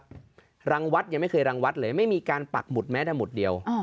รังวัดยังไม่เคยรังวัดเลยไม่มีการปักหมุดแม้แต่หุดเดียว